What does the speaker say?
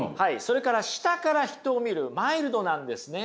下から人を見るマイルドなんですね。